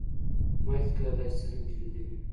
ما هیڅکله داسې څه نه دي لیدلي